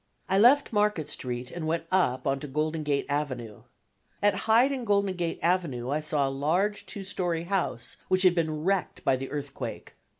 I left Market Street and went up on to Golden Gate Avenue. At Hyde and Golden Gate Avenue I saw a large two story house which had been wrecked by the earthquake.